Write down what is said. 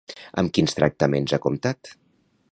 Amb quins tractaments ha comptat?